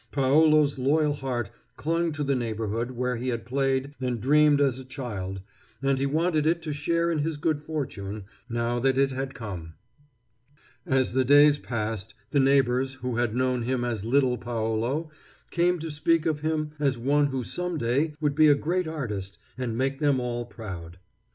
Paolo's loyal heart clung to the neighborhood where he had played and dreamed as a child, and he wanted it to share in his good fortune, now that it had come. As the days passed, the neighbors who had known him as little Paolo came to speak of him as one who some day would be a great artist and make them all proud.